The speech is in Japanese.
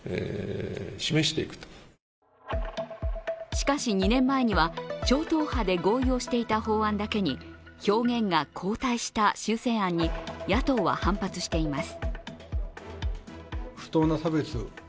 しかし２年前には超党派で合意をしていた法案だけに表現が後退した修正案に野党は反発しています。